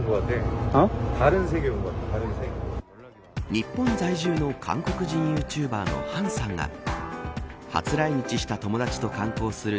日本在住の韓国人ユーチューバーのハンさんが初来日した友達と観光する